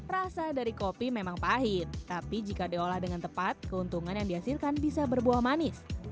rasa dari kopi memang pahit tapi jika diolah dengan tepat keuntungan yang dihasilkan bisa berbuah manis